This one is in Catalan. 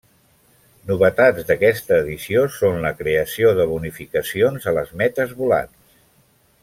Novetats d'aquesta edició són la creació de bonificacions a les metes volants.